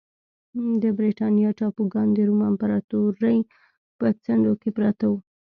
د برېټانیا ټاپوګان د روم امپراتورۍ په څنډو کې پراته وو